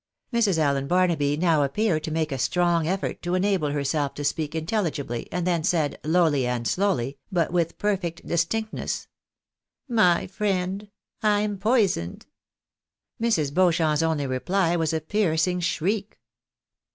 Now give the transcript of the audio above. Mrs. Allen Barnaby now appeared to make a strong effort to enable herself to speak intelligibly, and then said, lowly and slowly, but with perfect distinctness —" My friend^ I am poisoned !" Mrs. Beauchamp's only reply was a piercing shriek.